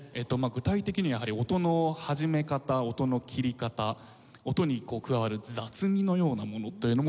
具体的にはやはり音の始め方音の切り方音に加わる雑味のようなものというのも少し。